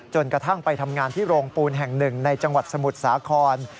กระทั่งไปทำงานที่โรงปูนแห่งหนึ่งในจังหวัดสมุทรสาคร